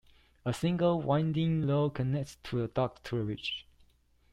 A single, winding road connects the dock to the village.